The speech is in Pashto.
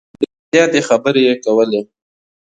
ډیرې زیاتې خبرې یې کولې.